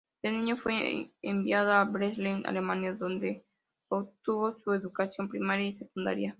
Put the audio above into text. De niño fue enviado a Dresden, Alemania, donde obtuvo su educación primaria y secundaria.